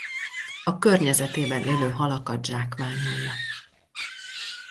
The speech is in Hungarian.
A környezetében élő halakat zsákmányolja.